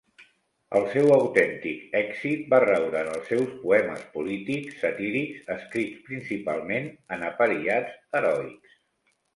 El seu autèntic èxit va raure en els seus poemes polítics, satírics, escrits principalment en apariats heroics.